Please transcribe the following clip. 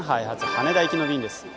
羽田行きの便です。